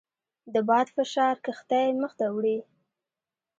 د باد فشار کښتۍ مخ ته وړي.